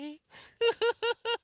フフフフ。